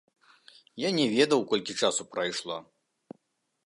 Я не ведаў, колькі часу прайшло.